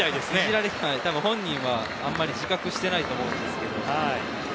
本人はあんまり自覚していないと思うんですけど。